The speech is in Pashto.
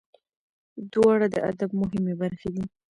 دواړه د ادب مهمې برخې دي.